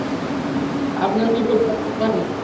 আপনিও কী খুব ব্যস্ত থাকেন?